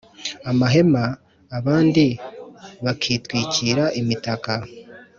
amahema abandi bakitwikira imitaka